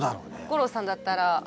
吾郎さんだったら。